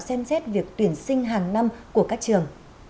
xem xét việc tuyển sinh hàng năm của các trường